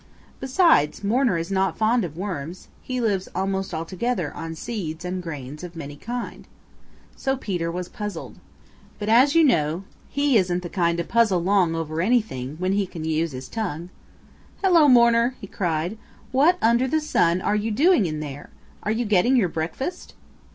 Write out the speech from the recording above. Besides, Mourner is not fond of worms; he lives almost altogether on seeds and grains of many kinds. So Peter was puzzled. But as you know he isn't the kind to puzzle long over anything when he can use his tongue. "Hello, Mourner!" he cried. "What under the sun are you doing in there? Are you getting your breakfast?"